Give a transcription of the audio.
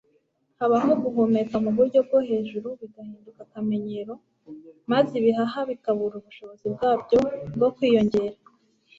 habaho guhumeka mu buryo bwo hejuru, bigahinduka akamenyero, maze ibihaha bikabura ubushobozi bwabyo bwo kwiyongera